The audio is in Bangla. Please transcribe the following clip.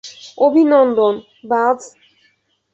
অভিনন্দন, বায।